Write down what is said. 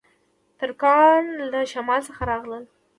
ترکان له شمال څخه راغلل